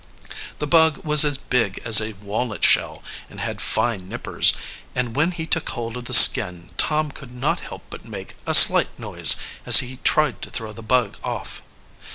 The bug was as big as a walnut shell, and had fine nippers, and when he took hold of the skin Tom could not help but make a slight noise as he tried to throw the bug off.